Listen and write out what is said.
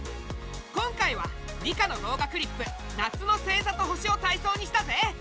今回は理科の動画クリップ「夏の星ざと星」をたいそうにしたぜ！